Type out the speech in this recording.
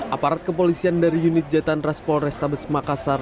aparat kepolisian dari unit jatan ras polres tabes makassar